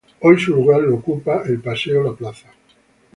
Hoy su lugar es ocupado por el Paseo La Plaza.